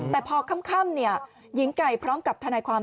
แต่พอค่ำหญิงไก่พร้อมกับทนายความ